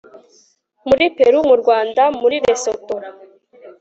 muri peru, mu rwanda, muri lesoto